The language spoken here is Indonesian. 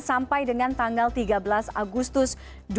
sampai dengan tanggal tiga belas agustus dua ribu dua puluh